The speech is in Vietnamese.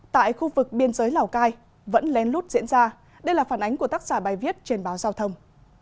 tại khu vực biên giới lào cai vẫn lén lút diễn ra đây là phản ánh của tác giả bài viết trên báo giao thông